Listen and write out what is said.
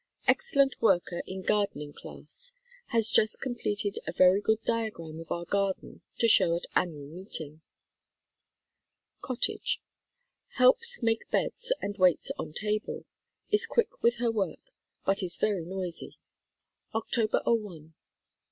Excellent worker in gardening class. Has just completed a very good diagram of our garden to show at Annual Meeting. COTTAGE. Helps make beds and waits on table, is quick with her work, but is very noisy. 4 THE KALLIKAK FAMILY Oct. 'oi.